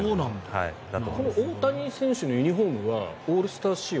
大谷選手のユニホームはオールスター仕様？